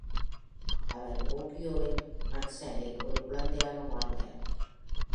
அவர் ஓஹியோவின் ஹட்சனில் ஒரு குழந்தையாக வாழ்ந்தார்.